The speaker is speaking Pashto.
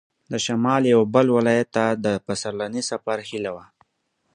د شمال یوه بل ولایت ته د پسرلني سفر هیله وه.